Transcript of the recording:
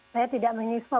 saya tidak menyesal